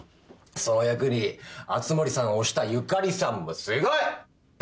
その役に熱護さんを推したゆかりさんもすごい！